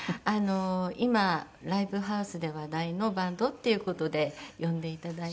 今ライブハウスで話題のバンドっていう事で呼んで頂いて。